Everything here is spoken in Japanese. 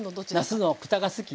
なすのくたが好き？